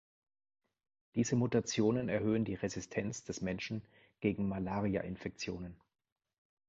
Diese Mutationen erhöhen die Resistenz des Menschen gegen Malaria-Infektionen.